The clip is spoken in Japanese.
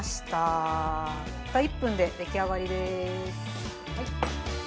たった１分で出来上がりです。